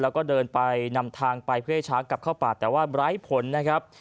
แล้วก็เดินไปนำทางไปเพื่อให้ช้างกลับเข้าป่าแต่ว่าไร้ผลนะครับ